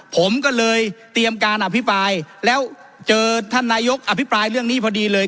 ผมก็เลยเตรียมการอภิปรายแล้วเจอท่านนายกอภิปรายเรื่องนี้พอดีเลย